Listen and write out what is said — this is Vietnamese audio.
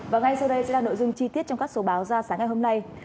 và ngay sau đây sẽ là nội dung chi tiết trong các số báo ra sáng ngày hôm nay